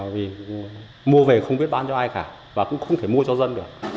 vì mua về không biết bán cho ai cả và cũng không thể mua cho dân được